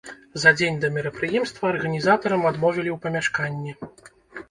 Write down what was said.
За дзень да мерапрыемства арганізатарам адмовілі ў памяшканні.